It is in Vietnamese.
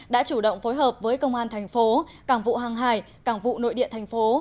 đã chủ động phối hợp với công an thành phố cảng vụ hàng hải cảng vụ nội địa thành phố